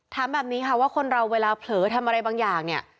ถามแบบนี้ค่ะว่าคนเราเวลาเผลอทำอะไรบางอย่างเนี่ย